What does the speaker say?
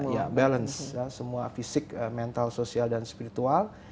iya balance semua fisik mental sosial dan spiritual